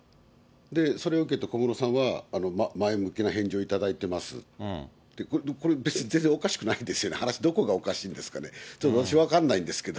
それを受けて、小室さんは、前向きな返事を頂いていますって、これ、別に全然おかしくないですよね、話、どこがおかしいんですかね、ちょっと私、分かんないですけど。